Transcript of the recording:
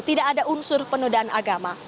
tidak ada unsur penodaan agama